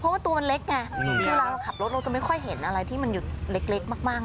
เพราะว่าตัวมันเล็กไงเวลาเราขับรถเราจะไม่ค่อยเห็นอะไรที่มันหยุดเล็กมาก